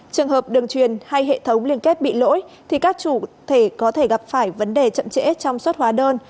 trường hợp đường truyền hay hệ thống liên kết bị lỗi thì các chủ thể có thể gặp phải vấn đề chậm trễ trong xuất hóa đơn